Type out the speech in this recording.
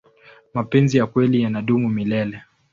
mapenzi ya kweli yanadumu milele